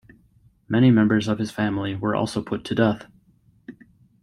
Many members of his family were also put to death.